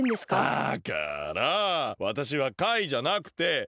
だからわたしはカイじゃなくてマイカ！